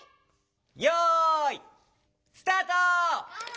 よいスタート！